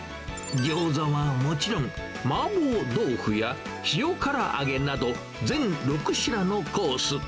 ギョーザはもちろん、麻婆豆腐や塩唐揚げなど、全６品のコース。